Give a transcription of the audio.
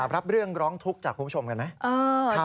รับเรื่องร้องทุกข์จากคุณผู้ชมกันไหม